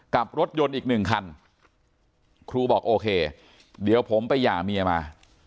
กับรถยนต์อีกหนึ่งคันครูบอกโอเคเดี๋ยวผมไปหย่าเมียมา